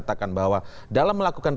kita akan memmaximalkan